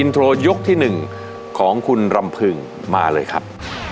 โทรยกที่๑ของคุณรำพึงมาเลยครับ